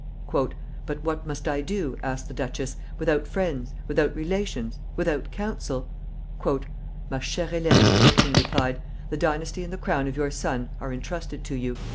"But what must I do," asked the duchess, "without friends, without relations, without counsel?" "Ma chère Hélène," the king replied, "the dynasty and the crown of your son are intrusted to you.